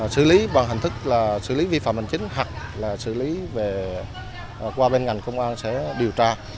xử lý bằng hành thức xử lý vi phạm hành chính hoặc xử lý qua bên ngành công an sẽ điều tra